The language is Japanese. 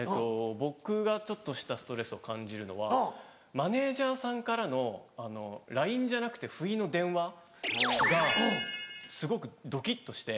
僕がちょっとしたストレスを感じるのはマネジャーさんからのＬＩＮＥじゃなくて不意の電話がすごくドキっとして。